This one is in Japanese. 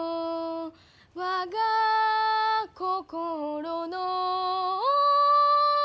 「我が心の」